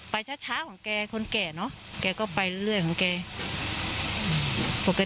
ช้าช้าของแกคนแก่เนอะแกก็ไปเรื่อยของแก